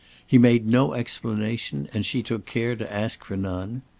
He made no explanation and she took care to ask for none.